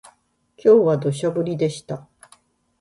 今日は土砂降りでした